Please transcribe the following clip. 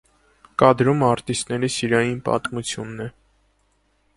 Կադրում արտիստների սիրային պատմությունն է։